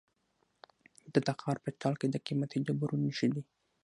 د تخار په چال کې د قیمتي ډبرو نښې دي.